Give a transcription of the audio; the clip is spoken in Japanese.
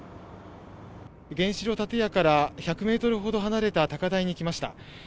原子炉建屋から１００メートルほど離れた高台に来ました。